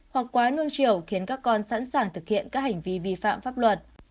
hoặc quá nương chiều khiến các con sẵn sàng thực hiện các hành vi vi phạm pháp luật